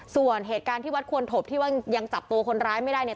ส่วนเหตุการณ์ที่วัดควรถบที่ว่ายังจับตัวคนร้ายไม่ได้เนี่ย